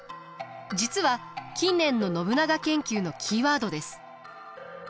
実は近年の信長研究のキーワードです。